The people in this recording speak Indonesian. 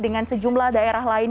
dengan sejumlah daerah lain